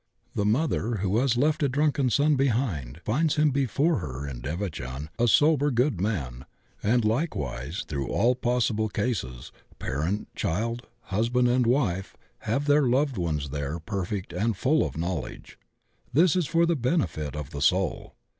The mother who has left a drunken son behind finds him before her in devachan a sober, good man, and likewise through all possible cases, parent, child, husband, and wife have their loved ones there perfect and full of knowledge. This is for the benefit of the soul.